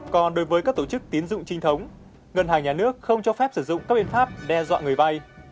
còn đối với các tổ chức tiến dụng trinh thống ngân hàng nhà nước không cho phép sử dụng các biện pháp đe dọa người vay